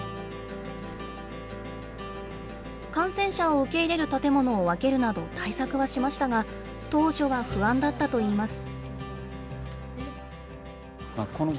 感染者を受け入れる建物を分けるなど対策はしましたが当初は不安だったといいます。